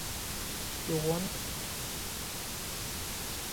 You want the best, you go to the best.